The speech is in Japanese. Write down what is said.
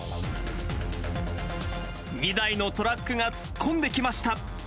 ２台のトラックが突っ込んできました。